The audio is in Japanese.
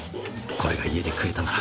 これが家で食えたなら。